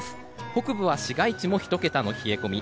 北部は市街地も１桁の冷え込み。